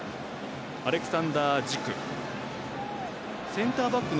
アレクサンダー・ジク。